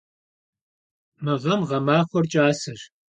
Мы гъэм гъэмахуэр кӏасэщ.